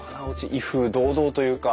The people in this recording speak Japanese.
威風堂々というか。